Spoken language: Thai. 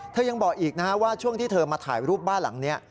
ยังบอกอีกนะฮะว่าช่วงที่เธอมาถ่ายรูปบ้านหลังนี้